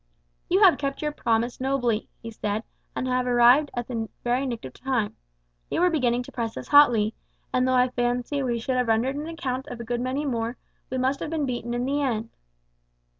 "You have kept your promise nobly," he said, "and arrived at the very nick of time. They were beginning to press us hotly; and though I fancy we should have rendered an account of a good many more, we must have been beaten in the end."